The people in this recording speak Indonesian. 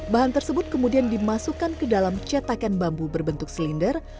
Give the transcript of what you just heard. bahan tersebut kemudian dimasukkan ke dalam cetakan bambu berbentuk selinder